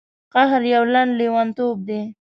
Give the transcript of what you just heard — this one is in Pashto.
قهر یو لنډ لیونتوب دی.